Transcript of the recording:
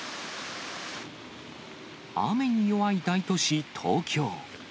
雨に弱い大都市、東京。